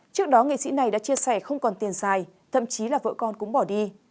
trước đó nghị sĩ này đã chia sẻ không còn tiền dài thậm chí là vợ con cũng bỏ đi